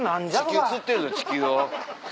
地球釣ってる地球を。